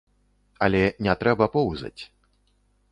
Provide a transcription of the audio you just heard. Але не трэба поўзаць.